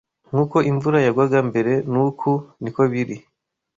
Nkuko imvura yagwaga mbere nuku niko biri